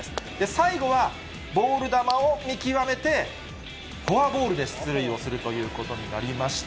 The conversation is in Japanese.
最後はボール球を見極めて、フォアボールで出塁するということになりました。